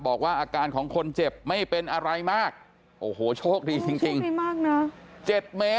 บอกว่าอาการของคนเจ็บไม่เป็นอะไรมากโอ้โหโชคดีจริงจริงโอ้โหโชคดีมากนะ